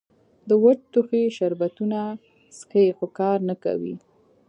د وچ ټوخي شربتونه څښي خو کار نۀ کوي